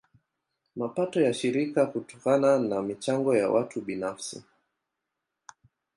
Mapato ya shirika hutokana na michango ya watu binafsi.